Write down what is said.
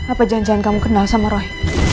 apa jangan jangan kamu kenal sama roy